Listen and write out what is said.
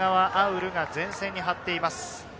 潤が前線に張っています。